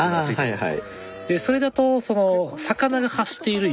はい。